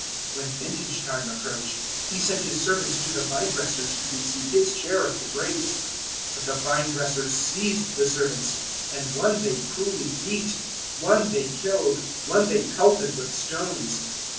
021:034 When vintage time approached, he sent his servants to the vine dressers to receive his share of the grapes; 021:035 but the vine dressers seized the servants, and one they cruelly beat, one they killed, one they pelted with stones.